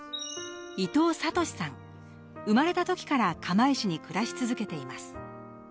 伊藤聡さん、生まれた時から釜石市に暮らし続けています。